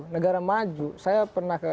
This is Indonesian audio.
negara maju saya pernah ke